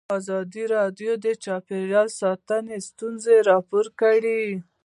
ازادي راډیو د چاپیریال ساتنه ستونزې راپور کړي.